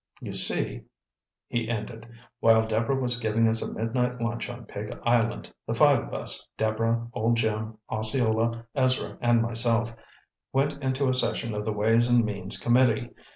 "You see," he ended, "while Deborah was giving us a midnight lunch on Pig Island, the five of us, Deborah, old Jim, Osceola, Ezra and myself, went into a session of the ways and means committee.